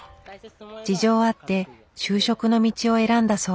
事情あって就職の道を選んだそう。